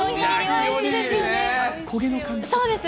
焦げの感じが。